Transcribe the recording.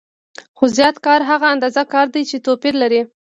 خو زیات کار هغه اندازه کار دی چې توپیر لري